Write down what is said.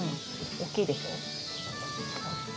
大きいでしょう？